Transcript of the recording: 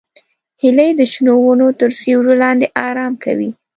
هیلۍ د شنو ونو تر سیوري لاندې آرام کوي